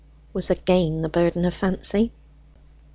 was again the burden of Fancy.